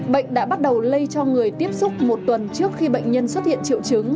bệnh đã bắt đầu lây cho người tiếp xúc một tuần trước khi bệnh nhân xuất hiện triệu chứng